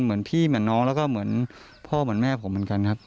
เหมือนพี่เหมือนน้องแล้วก็เหมือนพ่อเหมือนแม่ผมเหมือนกันครับ